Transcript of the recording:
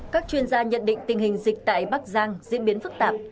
các chuyên gia nhận định tình hình dịch tại bắc giang diễn biến phức tạp